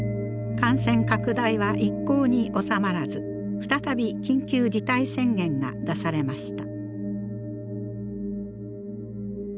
感染拡大は一向におさまらず再び緊急事態宣言が出されました。